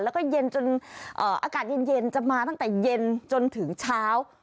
แล้วก็เย็นจนอากาศเย็นจะมาตั้งแต่เย็นจนถึงเช้า